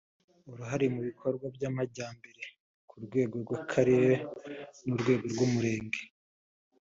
uruhare mu bikorwa by amajyambere ku rwego rw akarere n urw umurenge